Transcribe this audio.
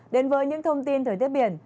đến với những thông tin thời tiết biển